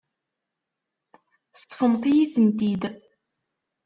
Teṭṭfemt-iyi-tent-id.